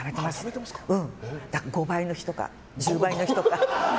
５倍の日とか１０倍の日とか。